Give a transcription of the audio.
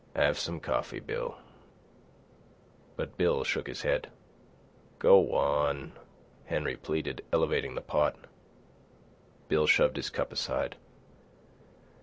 "Have some coffee, Bill." But Bill shook his head. "Go on," Henry pleaded, elevating the pot. Bill shoved his cup aside.